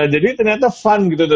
jadi ternyata fun